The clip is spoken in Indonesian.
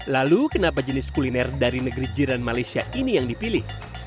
lalu kenapa jenis kuliner dari negeri jiran malaysia ini yang dipilih